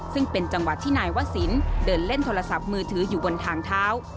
ซึ่งเป็นจังหวะที่นายวศิลป์เดินเล่นโทรศัพท์มือถืออยู่บนทางเท้า